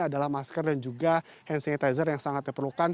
adalah masker dan juga hand sanitizer yang sangat diperlukan